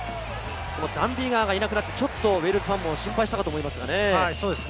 ダン・ビガーがいなくなって、ちょっとウェールズファンも心配したかと思いますね。